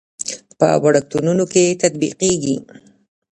په وړکتونونو کې تطبیقېږي.